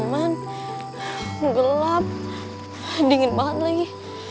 man gelap dingin banget lagi